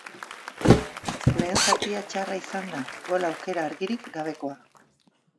Lehen zatia txarra izan da, gol aukera argirik gabekoa.